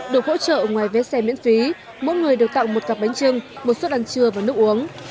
được hỗ trợ ngoài vé xe miễn phí mỗi người được tặng một cặp bánh trưng một suất ăn trưa và nước uống